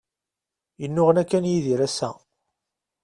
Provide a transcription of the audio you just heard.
Yennuɣna kan Yidir ass-a.